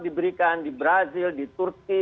diberikan di brazil di turki